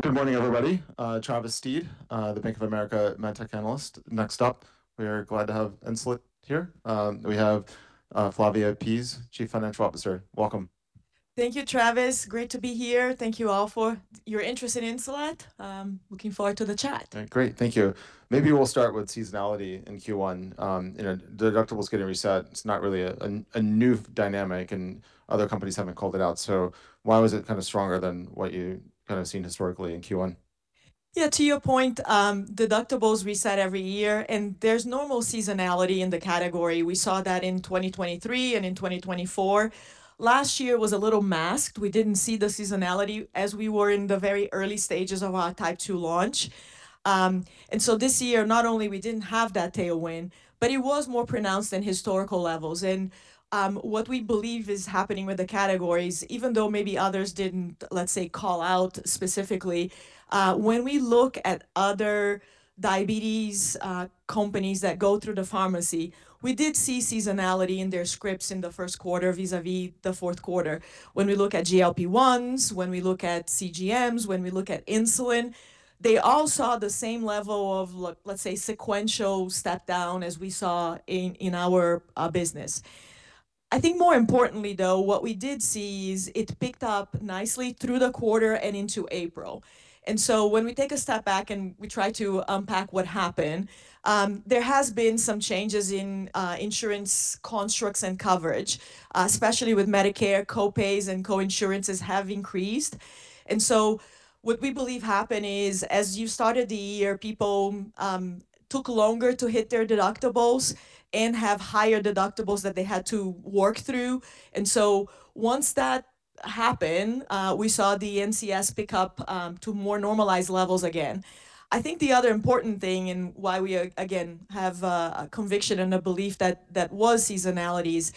Good morning, everybody. Travis Steed, the Bank of America MedTech analyst. Next up, we are glad to have Insulet here. We have Flavia Pease, Chief Financial Officer. Welcome. Thank you, Travis. Great to be here. Thank you all for your interest in Insulet. I am looking forward to the chat. Great. Thank you. Maybe we'll start with seasonality in Q1. You know, deductibles getting reset, it's not really a new dynamic and other companies haven't called it out. Why was it kind of stronger than what you'd kind of seen historically in Q1? Yeah, to your point, deductibles reset every year, and there's normal seasonality in the category. We saw that in 2023 and in 2024. Last year was a little masked. We didn't see the seasonality, as we were in the very early stages of Type 2 launch. This year, not only we didn't have that tailwind, but it was more pronounced than historical levels. What we believe is happening with the categories, even though maybe others didn't, let's say, call out specifically, when we look at other diabetes companies that go through the pharmacy, we did see seasonality in their scripts in the first quarter vis-a-vis the fourth quarter. When we look at GLP-1s, when we look at CGMs, when we look at insulin, they all saw the same level of let's say, sequential step down as we saw in our business. When we take a step back and we try to unpack what happened, there has been some changes in insurance constructs and coverage, especially with Medicare. Co-pays and co-insurances have increased. What we believe happened is, as you started the year, people took longer to hit their deductibles and have higher deductibles that they had to work through. Once that happened, we saw the NCS pick up to more normalized levels again. I think the other important thing and why we again, have a conviction and a belief that that was seasonality is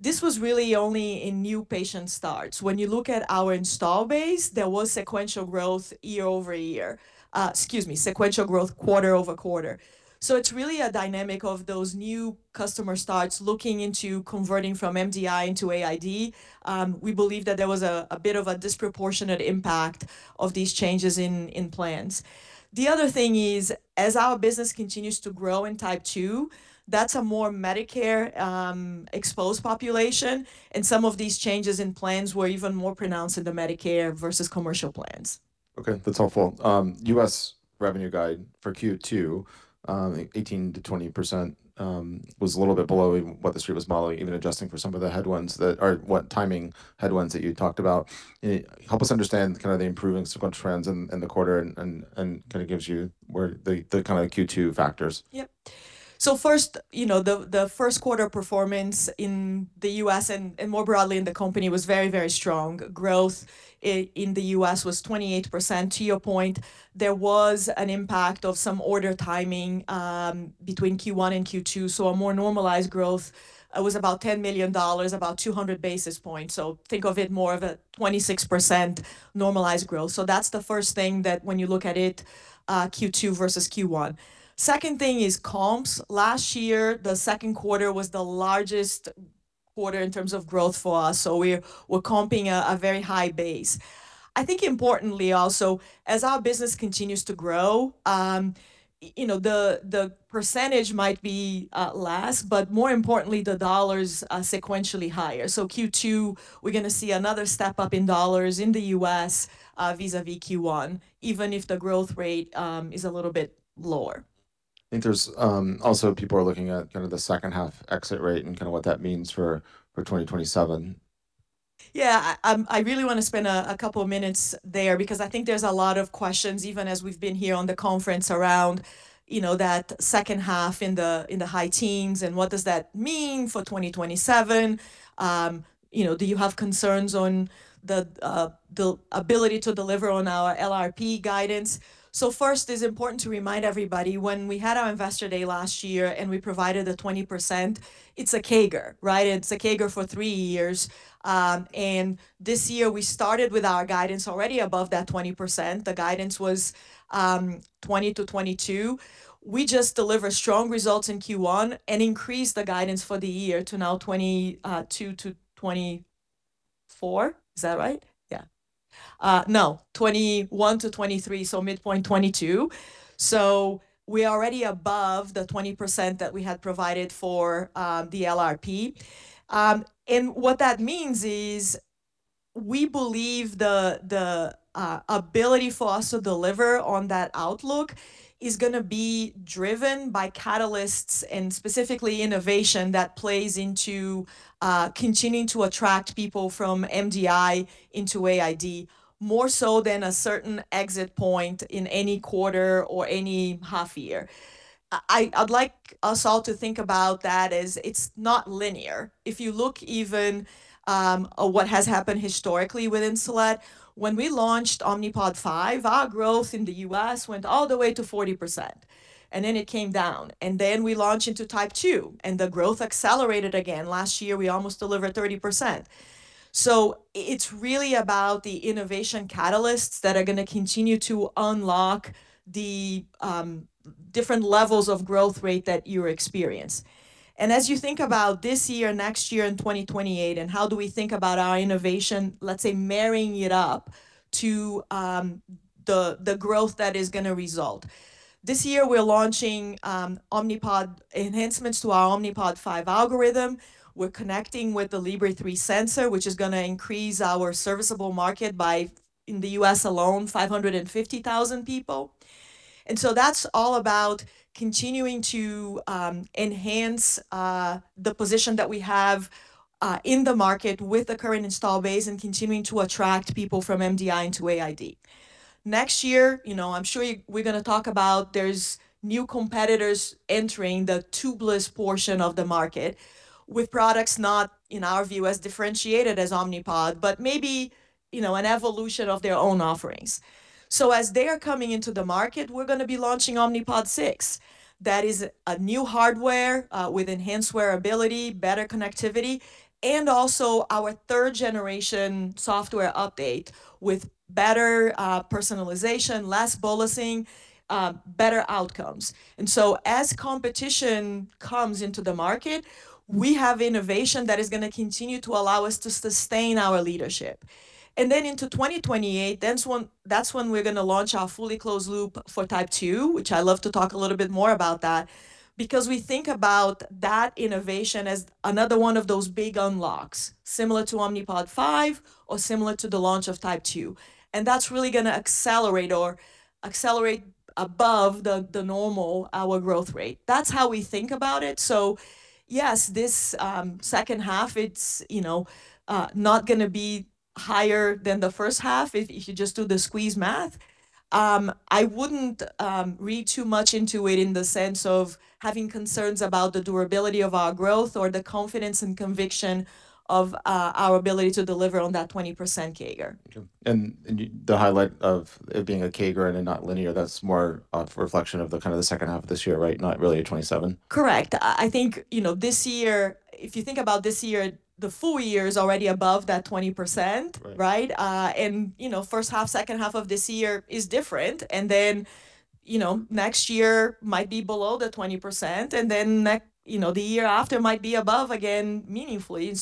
this was really only in new patient starts. When you look at our install base, there was sequential growth year-over-year. Excuse me, sequential growth quarter-over-quarter. It's really a dynamic of those new customer starts looking into converting from MDI into AID. We believe that there was a bit of a disproportionate impact of these changes in plans. The other thing is, as our business continues to grow Type 2, that's a more Medicare exposed population, and some of these changes in plans were even more pronounced in the Medicare versus commercial plans. Okay. That's helpful. U.S. revenue guide for Q2, 18%-20%, was a little bit below what the street was modeling, even adjusting for some of the timing headwinds that you talked about. Help us understand kind of the improving sequential trends in the quarter and kind of gives you where the kind of Q2 factors. Yep. First, you know, the first quarter performance in the U.S. and more broadly in the company was very strong. Growth in the U.S. was 28%. To your point, there was an impact of some order timing between Q1 and Q2, a more normalized growth was about $10 million, about 200 basis points. Think of it more of a 26% normalized growth. That's the first thing that when you look at it, Q2 versus Q1. Second thing is comps. Last year, the second quarter was the largest quarter in terms of growth for us, we're comping a very high base. I think importantly also, as our business continues to grow, you know, the percentage might be less, but more importantly, the dollars are sequentially higher. Q2, we're gonna see another step-up in dollars in the U.S., vis-a-vis Q1, even if the growth rate is a little bit lower. I think there's also people are looking at kind of the second half exit rate and kinda what that means for 2027. Yeah. I really wanna spend a couple minutes there because I think there's a lot of questions, even as we've been here on the conference around that second half in the high teens, what does that mean for 2027? Do you have concerns on the ability to deliver on our LRP guidance? First, it's important to remind everybody, when we had our investor day last year and we provided a 20%, it's a CAGR, right? It's a CAGR for three years. This year we started with our guidance already above that 20%. The guidance was 20-22. We just delivered strong results in Q1 and increased the guidance for the year to now 22-24. Is that right? Yeah. No, 21-23, so midpoint 22. We're already above the 20% that we had provided for the LRP. What that means is we believe the ability for us to deliver on that outlook is gonna be driven by catalysts and specifically innovation that plays into continuing to attract people from MDI into AID more so than a certain exit point in any quarter or any half year. I'd like us all to think about that as it's not linear. If you look even at what has happened historically with Insulet, when we launched Omnipod 5, our growth in the U.S. went all the way to 40%, and then it came down. Then we launched into Type 2, and the growth accelerated again. Last year, we almost delivered 30%. It's really about the innovation catalysts that are gonna continue to unlock the Different levels of growth rate that you experience. As you think about this year, next year, and 2028, and how do we think about our innovation, let's say marrying it up to the growth that is gonna result. This year we're launching Omnipod enhancements to our Omnipod 5 algorithm. We're connecting with the Libre 3 sensor, which is gonna increase our serviceable market by, in the U.S. alone, 550,000 people. That's all about continuing to enhance the position that we have in the market with the current install base and continuing to attract people from MDI into AID. Next year, you know, I'm sure we're gonna talk about there's new competitors entering the tubeless portion of the market with products not, in our view, as differentiated as Omnipod, but maybe, you know, an evolution of their own offerings. As they are coming into the market, we're gonna be launching Omnipod 6. That is a new hardware, with enhanced wearability, better connectivity, and also our third generation software update with better personalization, less bolusing, better outcomes. As competition comes into the market, we have innovation that is gonna continue to allow us to sustain our leadership. Into 2028, that's when we're gonna launch our fully closed loop for Type 2, which I love to talk a little bit more about that, because we think about that innovation as another one of those big unlocks, similar to Omnipod 5 or similar to the launch of Type 2. That's really gonna accelerate above the normal, our growth rate. That's how we think about it. Yes, this second half, it's, you know, not gonna be higher than the first half if you just do the squeeze math. I wouldn't read too much into it in the sense of having concerns about the durability of our growth or the confidence and conviction of our ability to deliver on that 20% CAGR. The highlight of it being a CAGR and not linear, that's more of a reflection of the kind of the second half of this year, right, not really a 2027. Correct. I think, you know, this year, if you think about this year, the full year is already above that 20%, right? Right. you know, first half, second half of this year is different. you know, next year might be below the 20% and then next, you know, the year after might be above again meaningfully.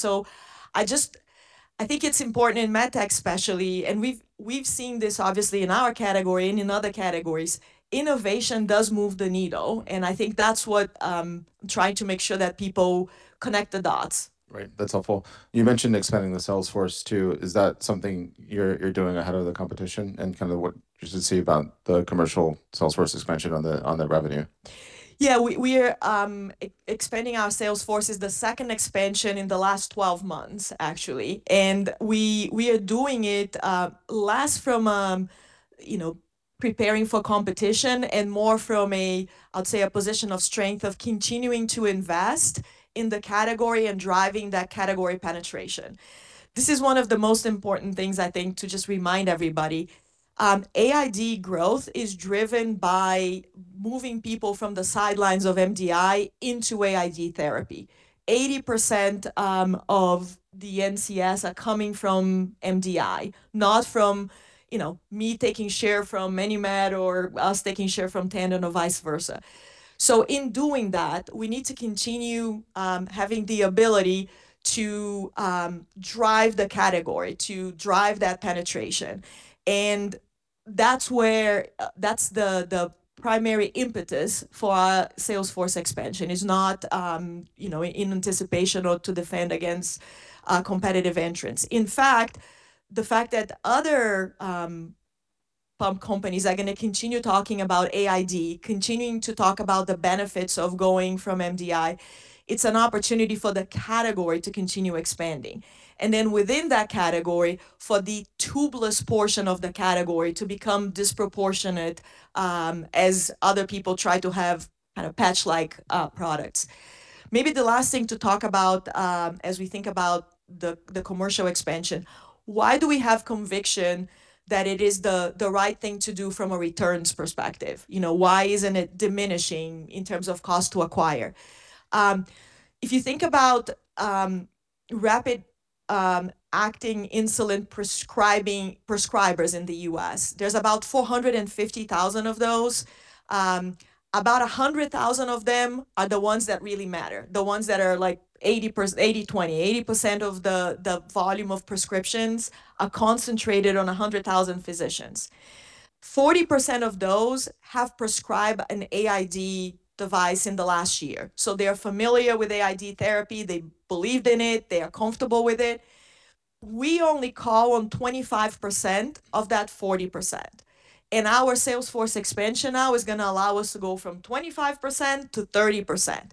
I think it's important in MedTech especially, and we've seen this obviously in our category and in other categories, innovation does move the needle, and I think that's what I'm trying to make sure that people connect the dots. Right. That's helpful. You mentioned expanding the sales force too. Is that something you're doing ahead of the competition, and kind of what we should see about the commercial sales force expansion on the revenue? Yeah. We, we are expanding our sales force. It's the second expansion in the last 12 months, actually. We, we are doing it, less from, you know, preparing for competition and more from a, I'd say, a position of strength of continuing to invest in the category and driving that category penetration. This is one of the most important things, I think, to just remind everybody. AID growth is driven by moving people from the sidelines of MDI into AID therapy. 80% of the NCS are coming from MDI, not from, you know, me taking share from Medtronic or us taking share from Tandem or vice versa. In doing that, we need to continue having the ability to drive the category, to drive that penetration. That's the primary impetus for our sales force expansion. It's not, you know, in anticipation or to defend against competitive entrants. In fact, the fact that other pump companies are gonna continue talking about AID, continuing to talk about the benefits of going from MDI, it's an opportunity for the category to continue expanding. Within that category, for the tubeless portion of the category to become disproportionate as other people try to have kind of patch-like products. Maybe the last thing to talk about as we think about the commercial expansion, why do we have conviction that it is the right thing to do from a returns perspective? You know, why isn't it diminishing in terms of cost to acquire? If you think about rapid acting insulin prescribers in the U.S., there's about 450,000 of those. About 100,000 of them are the ones that really matter, the ones that are, like, 80%, 80/20, 80% of the volume of prescriptions are concentrated on 100,000 physicians. 40% of those have prescribed an AID device in the last year, so they are familiar with AID therapy. They believed in it. They are comfortable with it. We only call on 25% of that 40%, and our sales force expansion now is gonna allow us to go from 25%-30%.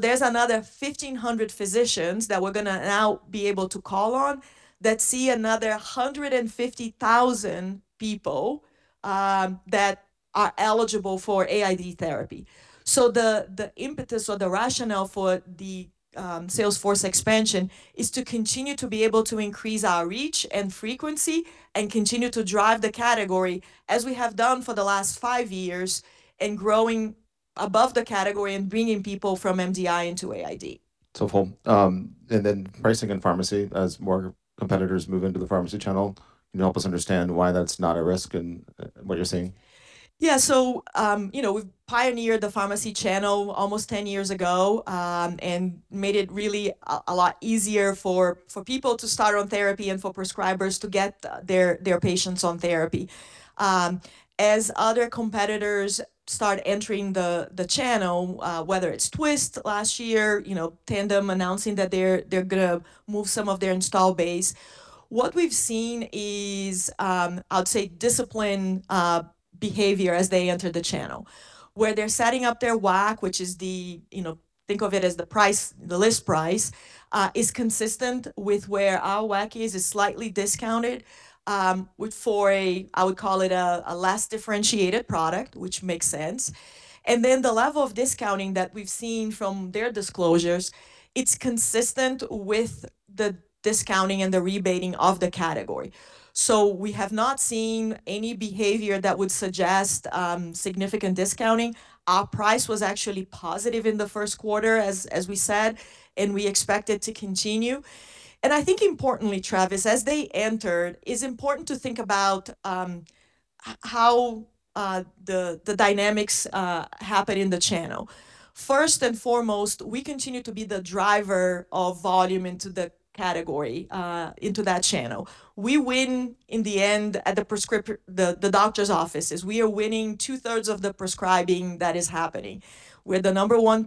There's another 1,500 physicians that we're gonna now be able to call on that see another 150,000 people that are eligible for AID therapy. The impetus or the rationale for the sales force expansion is to continue to be able to increase our reach and frequency and continue to drive the category as we have done for the last five years and growing above the category and bringing people from MDI into AID. full. Pricing and pharmacy as more competitors move into the pharmacy channel, can you help us understand why that's not a risk in what you're seeing? You know, we've pioneered the pharmacy channel almost 10 years ago, and made it really a lot easier for people to start on therapy and for prescribers to get their patients on therapy. As other competitors start entering the channel, whether it's twiist last year, you know Tandem announcing that they're gonna move some of their install base, what we've seen is, I would say discipline behavior as they enter the channel. Where they're setting up their WAC, which is, you know, think of it as the price, the list price, is consistent with where our WAC is. It's slightly discounted, for a, I would call it a less differentiated product, which makes sense. The level of discounting that we've seen from their disclosures, it's consistent with the discounting and the rebating of the category. We have not seen any behavior that would suggest significant discounting. Our price was actually positive in the first quarter as we said, and we expect it to continue. I think importantly, Travis, as they entered, it's important to think about how the dynamics happen in the channel. First and foremost, we continue to be the driver of volume into the category, into that channel. We win in the end at the doctor's offices. We are winning 2/3 of the prescribing that is happening. We're the number one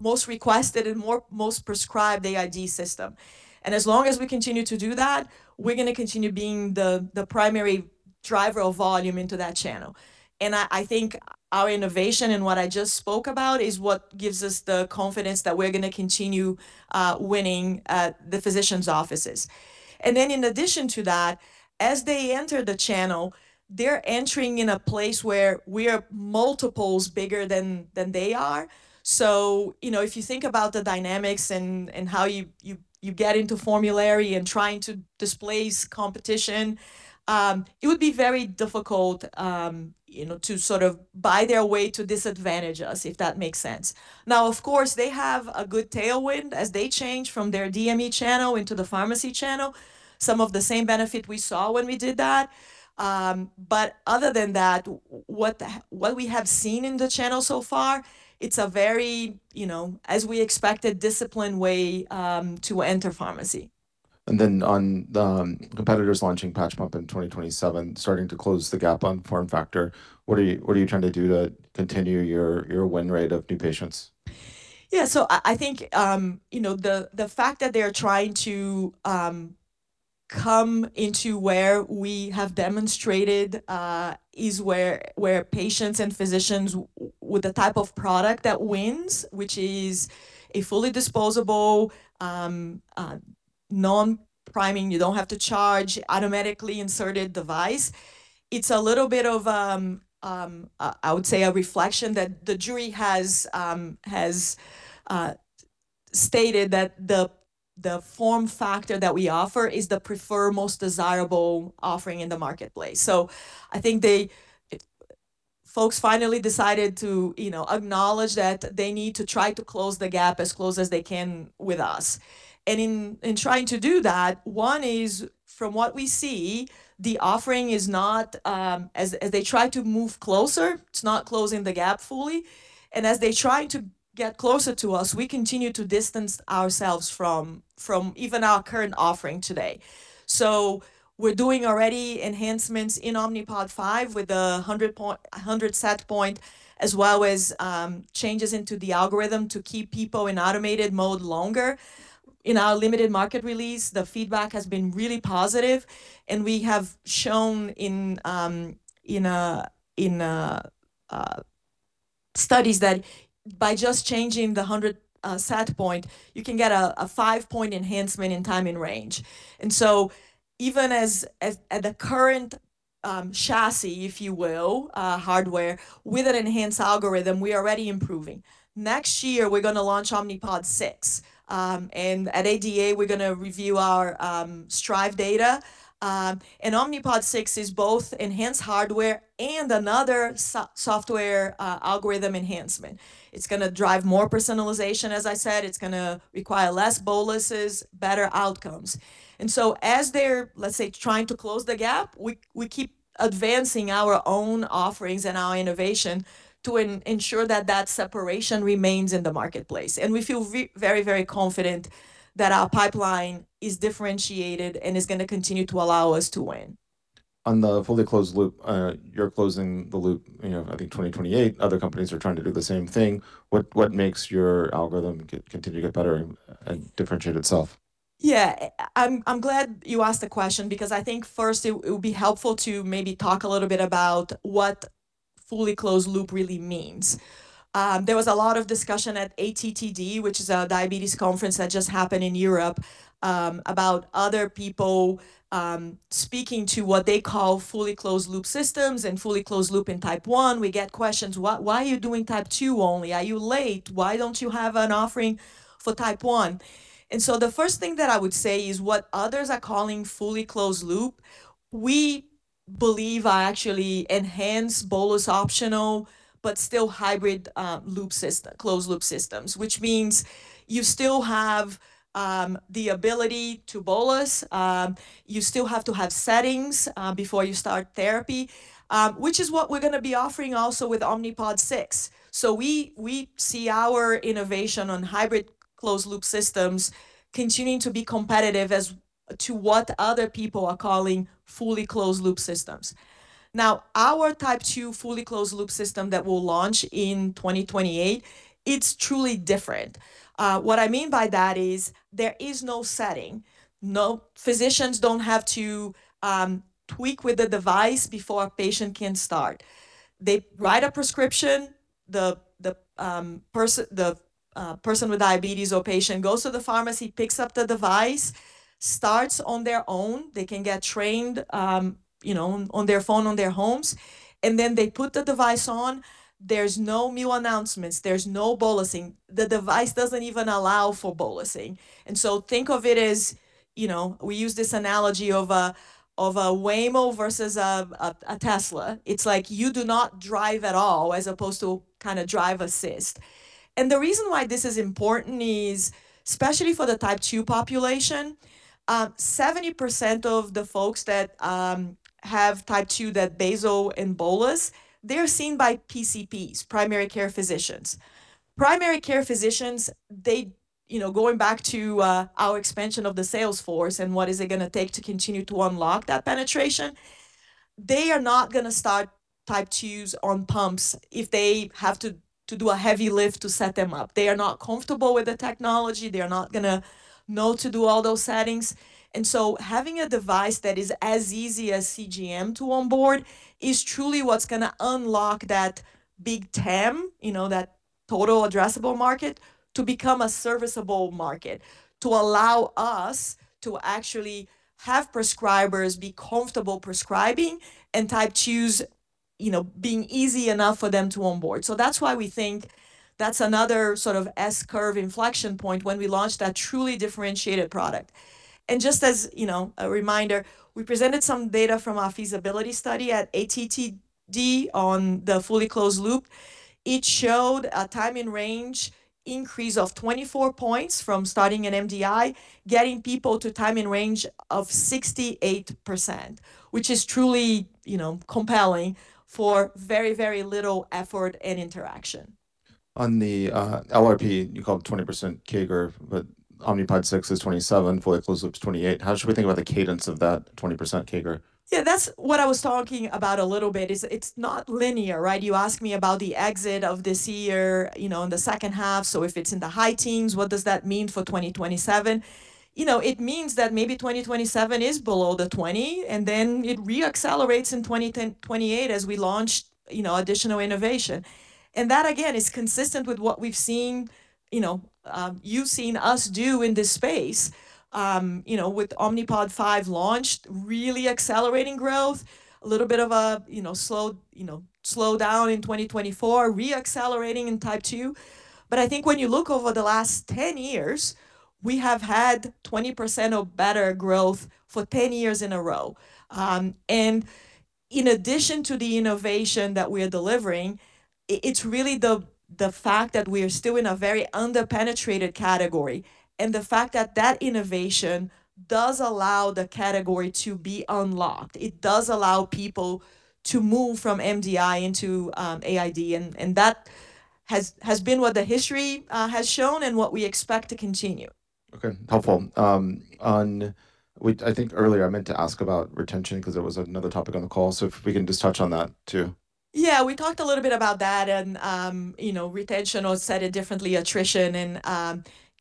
most requested and most prescribed AID system, as long as we continue to do that, we're gonna continue being the primary driver of volume into that channel. I think our innovation and what I just spoke about is what gives us the confidence that we're gonna continue winning the physicians' offices. Then in addition to that, as they enter the channel, they're entering in a place where we are multiples bigger than they are. You know, if you think about the dynamics and how you get into formulary and trying to displace competition, it would be very difficult, you know, to sort of buy their way to disadvantage us, if that makes sense. Of course, they have a good tailwind as they change from their DME channel into the pharmacy channel, some of the same benefit we saw when we did that. Other than that, what we have seen in the channel so far, it's a very, you know, as we expected, disciplined way to enter pharmacy. Then on the competitors launching patch pump in 2027, starting to close the gap on form factor, what are you trying to do to continue your win rate of new patients? Yeah. I think, you know, the fact that they're trying to come into where we have demonstrated, is where patients and physicians with the type of product that wins, which is a fully disposable, a non-priming, you don't have to charge, automatically inserted device, it's a little bit of I would say a reflection that the jury has stated that the form factor that we offer is the preferred, most desirable offering in the marketplace. I think they folks finally decided to, you know, acknowledge that they need to try to close the gap as close as they can with us. In, in trying to do that, one is, from what we see, the offering is not as they try to move closer, it's not closing the gap fully. As they try to get closer to us, we continue to distance ourselves from even our current offering today. We're doing already enhancements in Omnipod 5 with 100 set point as well as changes into the algorithm to keep people in automated mode longer. In our limited market release, the feedback has been really positive, and we have shown in a study that by just changing the 100 set point, you can get a five-point enhancement in time in range. Even as at the current chassis, if you will, hardware, with an enhanced algorithm, we are already improving. Next year, we're gonna launch Omnipod 6. At ADA, we're gonna review our STRIVE data. Omnipod 6 is both enhanced hardware and another software algorithm enhancement. It's gonna drive more personalization, as I said. It's gonna require less boluses, better outcomes. As they're, let's say, trying to close the gap, we keep advancing our own offerings and our innovation to ensure that that separation remains in the marketplace. We feel very confident that our pipeline is differentiated and is gonna continue to allow us to win. On the fully closed loop, you're closing the loop, you know, I think 2028. Other companies are trying to do the same thing. What makes your algorithm continue to get better and differentiate itself? Yeah. I'm glad you asked the question because I think first it would be helpful to maybe talk a little bit about what fully closed loop really means. There was a lot of discussion at ATTD, which is a diabetes conference that just happened in Europe, about other people speaking to what they call fully closed loop systems and fully closed loop in Type 1. We get questions, "Why are you doing Type 2 only? Are you late? Why don't you have an offering for Type 1? The first thing that I would say is what others are calling fully closed loop, we believe are actually enhanced bolus optional, but still hybrid loop system, closed loop systems, which means you still have the ability to bolus, you still have to have settings before you start therapy, which is what we're gonna be offering also with Omnipod 6. We see our innovation on hybrid closed loop systems continuing to be competitive as to what other people are calling fully closed loop systems. Now, our Type 2 fully closed loop system that will launch in 2028, it's truly different. What I mean by that is there is no setting, physicians don't have to tweak with the device before a patient can start. They write a prescription, the person with diabetes or patient goes to the pharmacy, picks up the device, starts on their own. They can get trained, you know, on their phone, on their homes. They put the device on. There's no meal announcements. There's no bolusing. The device doesn't even allow for bolusing. Think of it as, you know, we use this analogy of a Waymo versus a Tesla. It's like you do not drive at all as opposed to kind of drive assist. The reason why this is important is, especially for the Type 2 population, 70% of the folks that have Type 2 that basal and bolus, they're seen by PCPs, primary care physicians. Primary care physicians, they, you know, going back to our expansion of the sales force and what is it gonna take to continue to unlock that penetration, they are not gonna start Type 2s on pumps if they have to do a heavy lift to set them up. They are not comfortable with the technology. They are not gonna know to do all those settings. Having a device that is as easy as CGM to onboard is truly what's gonna unlock that big TAM, you know, that total addressable market, to become a serviceable market, to allow us to actually have prescribers be comfortable prescribing and Type 2s, you know, being easy enough for them to onboard. That's why we think that's another sort of S-curve inflection point when we launch that truly differentiated product. Just as, you know, a reminder, we presented some data from our feasibility study at ATTD on the fully closed loop. It showed a ime in Range increase of 24 points from starting an MDI, getting people to time and range of 68%, which is truly, you know, compelling for very, very little effort and interaction. On the LRP, you called it 20% CAGR, but Omnipod 6 is 27%, fully closed loop's 28%. How should we think about the cadence of that 20% CAGR? Yeah, that's what I was talking about a little bit is it's not linear, right? You asked me about the exit of this year, you know, in the second half, so if it's in the high teens, what does that mean for 2027? You know, it means that maybe 2027 is below the 20, and then it re-accelerates in 2028 as we launch, you know, additional innovation. That, again, is consistent with what we've seen, you know, you've seen us do in this space. You know, with Omnipod 5 launch, really accelerating growth, a little bit of a, you know, slowdown in 2024, re-accelerating in Type 2. I think when you look over the last 10 years, we have had 20% or better growth for 10 years in a row. In addition to the innovation that we're delivering, it's really the fact that we're still in a very under-penetrated category and the fact that that innovation does allow the category to be unlocked. It does allow people to move from MDI into AID, and that has been what the history has shown and what we expect to continue. Okay. Helpful. I think earlier I meant to ask about retention 'cause it was another topic on the call. If we can just touch on that too. Yeah. We talked a little bit about that, you know, retention, or said it differently, attrition.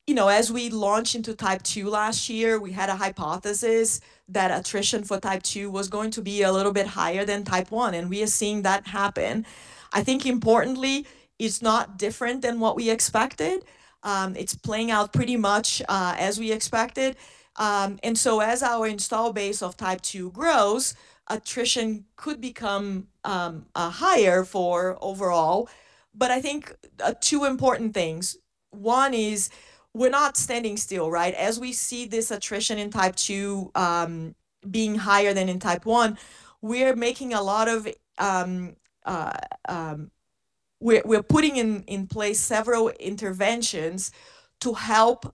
You know, as we launched into Type 2 last year, we had a hypothesis that attrition for Type 2 was going to be a little bit higher than Type 1, and we are seeing that happen. I think importantly, it's not different than what we expected. It's playing out pretty much as we expected. As our install base of Type 2 grows, attrition could become higher for overall. I think two important things. One is we're not standing still, right? As we see this attrition in Type 2, being higher than in Type 1, We're putting in place several interventions to help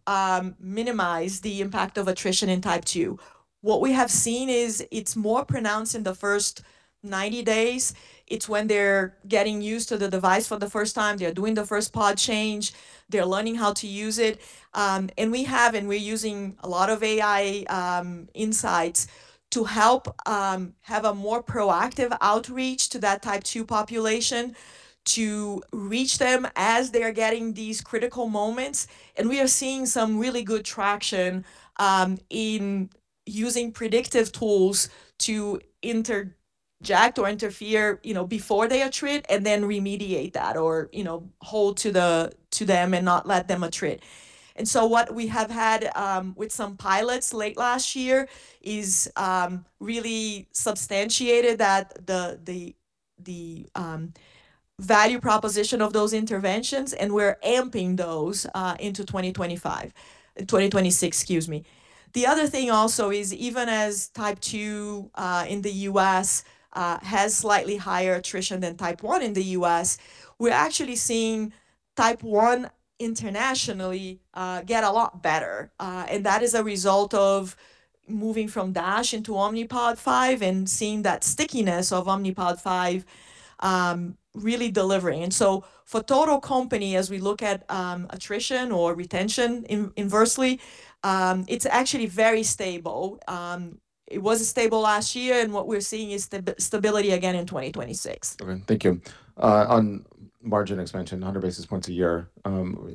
minimize the impact of attrition in Type 2. What we have seen is it's more pronounced in the first 90 days. It's when they're getting used to the device for the first time. They're doing the first pod change. They're learning how to use it. We have, and we're using a lot of AI insights to help have a more proactive outreach to that Type 2 population to reach them as they are getting these critical moments, and we are seeing some really good traction in using predictive tools to interject or interfere, you know, before they attrit, and then remediate that or, you know, hold to them and not let them attrit. What we have had with some pilots late last year is really substantiated that the value proposition of those interventions, and we're amping those into 2025, 2026, excuse me. The other thing also is even as Type 2 in the U.S. has slightly higher attrition than Type 1 in the U.S., we're actually seeing Type 1 internationally get a lot better. That is a result of moving from DASH into Omnipod 5 and seeing that stickiness of Omnipod 5 really delivering. For total company, as we look at attrition or retention inversely, it's actually very stable. It was stable last year, and what we're seeing is stability again in 2026. Okay. Thank you. On margin expansion, 100 basis points a year,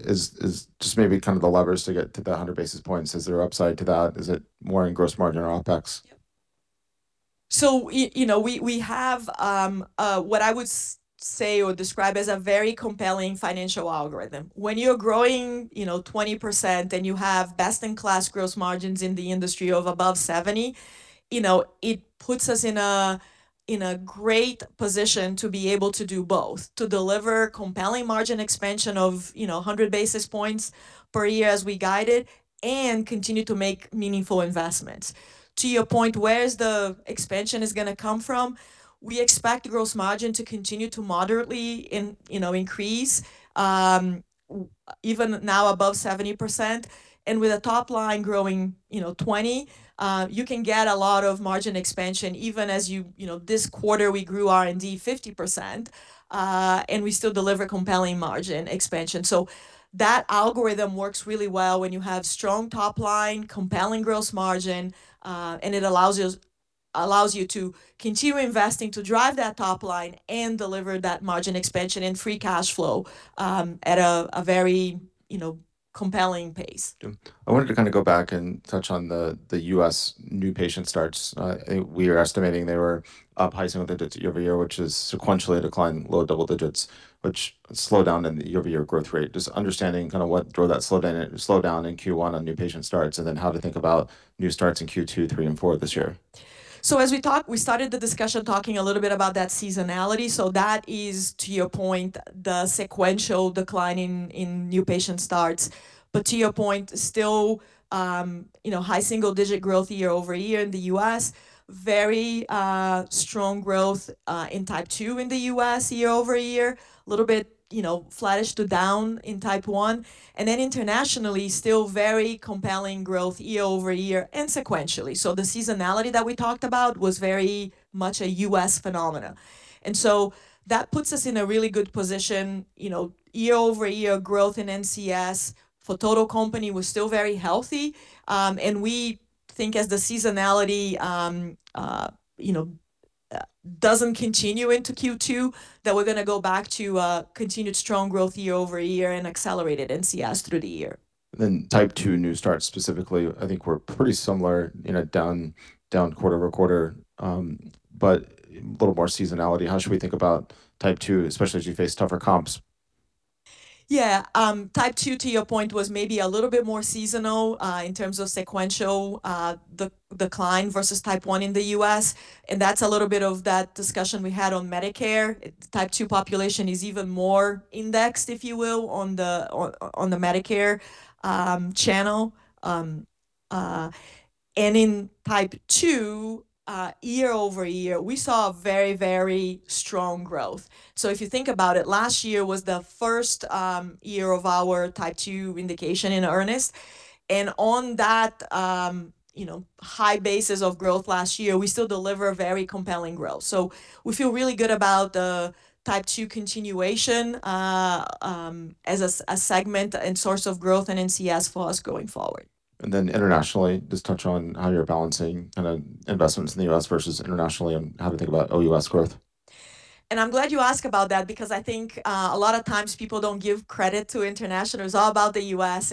is just maybe kind of the levers to get to the 100 basis points. Is there upside to that? Is it more in gross margin or OpEx? You know, we have a what I would say or describe as a very compelling financial algorithm. When you're growing, you know, 20% and you have best-in-class gross margins in the industry of above 70, you know, it puts us in a great position to be able to do both, to deliver compelling margin expansion of, you know, 100 basis points per year as we guided and continue to make meaningful investments. To your point, where is the expansion is gonna come from? We expect gross margin to continue to moderately increase, you know, even now above 70%, and with a top line growing, you know, 20%, you can get a lot of margin expansion even You know, this quarter we grew R&D 50%, and we still deliver compelling margin expansion. That algorithm works really well when you have strong top line, compelling gross margin, and it allows you to continue investing to drive that top line and deliver that margin expansion and free cash flow, at a very, you know, compelling pace. Yeah. I wanted to kind of go back and touch on the U.S. new patient starts. We are estimating they were up high single digits year-over-year, which is sequentially a decline low double digits, which slowed down in the year-over-year growth rate. Just understanding kind of what drove that slowdown in Q1 on new patient starts, then how to think about new starts in Q2, Q3, and Q4 this year. As we talked, we started the discussion talking a little bit about that seasonality, so that is, to your point, the sequential decline in new patient starts. To your point, still, you know, high single-digit growth year-over-year in the U.S. Very strong growth in Type 2 in the U.S. year-over-year. Little bit, you know, flattish to down in Type 1. Internationally, still very compelling growth year-over-year and sequentially. The seasonality that we talked about was very much a U.S. phenomena. That puts us in a really good position. You know, year-over-year growth in NCS for total company was still very healthy. We think as the seasonality, you know, doesn't continue into Q2, that we're gonna go back to continued strong growth year-over-year and accelerated NCS through the year. Type 2 new starts specifically, I think we're pretty similar in a down quarter-over-quarter, but little more seasonality. How should we think about Type 2, especially as you face tougher comps? Yeah, Type 2, to your point, was maybe a little bit more seasonal in terms of sequential decline versus Type 1 in the U.S., and that's a little bit of that discussion we had on Medicare. Type 2 population is even more indexed, if you will, on the Medicare channel. In Type 2, year-over-year, we saw a very, very strong growth. If you think about it, last year was the first year of our Type 2 indication in earnest, and on that, you know, high basis of growth last year, we still deliver very compelling growth. We feel really good about the Type 2 continuation as a segment and source of growth in NCS for us going forward. Internationally, just touch on how you're balancing kind of investments in the U.S. versus internationally and how to think about OUS growth. I'm glad you asked about that because I think a lot of times people don't give credit to international. It's all about the U.S.,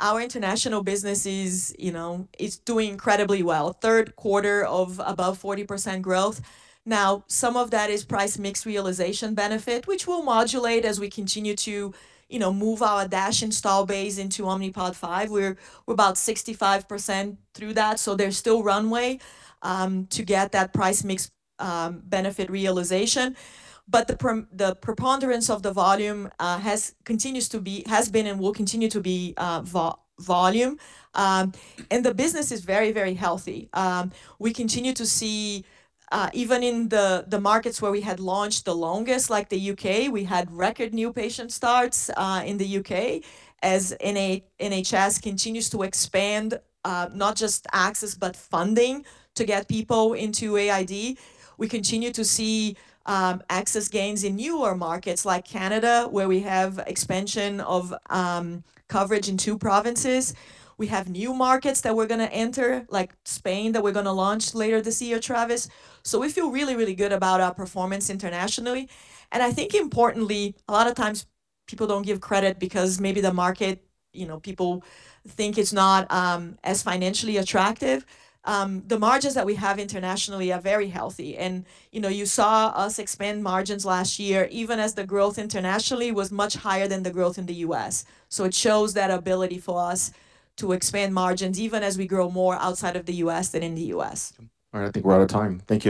our international business is, you know, doing incredibly well. Third quarter of above 40% growth. Some of that is price mix realization benefit, which we'll modulate as we continue to, you know, move our DASH install base into Omnipod 5. We're about 65% through that, so there's still runway to get that price mix benefit realization. The preponderance of the volume has been and will continue to be volume. The business is very, very healthy. We continue to see, even in the markets where we had launched the longest, like the U.K., we had record new patient starts, in the U.K. as NHS continues to expand, not just access, but funding to get people into AID. We continue to see, access gains in newer markets like Canada, where we have expansion of coverage in two provinces. We have new markets that we're gonna enter, like Spain, that we're gonna launch later this year, Travis. We feel really, really good about our performance internationally, and I think importantly, a lot of times people don't give credit because maybe the market, you know, people think it's not as financially attractive. The margins that we have internationally are very healthy and, you know, you saw us expand margins last year, even as the growth internationally was much higher than the growth in the U.S. It shows that ability for us to expand margins even as we grow more outside of the U.S. than in the U.S. All right. I think we're out of time. Thank you.